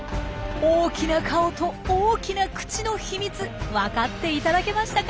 大きな顔と大きな口の秘密分かっていただけましたか？